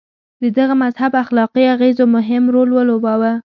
د دغه مذهب اخلاقي اغېزو مهم رول ولوباوه.